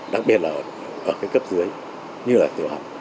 đặc biệt là ở cái cấp dưới như là tiểu học